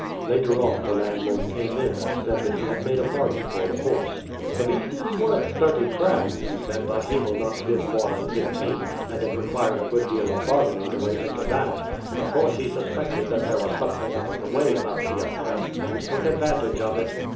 Later on the landlord came in and said that he had made a bargain for the horse. "The beast is worth thirty crowns," he said, "but he will not give more than fifteen, and it required a good deal of bargaining to raise him to that. Of course he suspected that there was something out of the way about the affair, and took advantage of it."